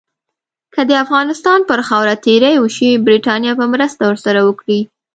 که د افغانستان پر خاوره تیری وشي، برټانیه به مرسته ورسره وکړي.